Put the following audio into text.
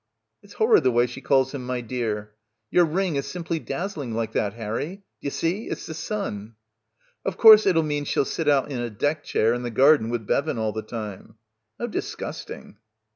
"It's horrid the way she calls him 'my dear.' Your ring is simply dazzling like that, Harry. D'you see? It's the sun." "Of course it'll mean she'll sit out in a deck chair in the garden with Bevan all the time." "How disgusting."